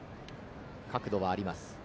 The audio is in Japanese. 角度はあります。